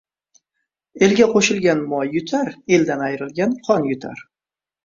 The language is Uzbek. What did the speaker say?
Elga qo'shilgan moy yutar, eldan ayrilgan qon yutar.